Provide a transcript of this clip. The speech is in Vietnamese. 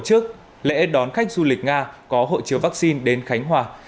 tổ chức lễ đón khách du lịch nga có hộ chiếu vaccine đến khánh hòa